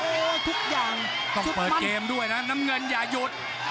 โอ้ทุกอย่างต้องเปิดเจมส์ด้วยนะน้ำเงินอย่ายุทธ์